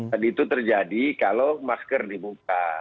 dan itu terjadi kalau masker dibuka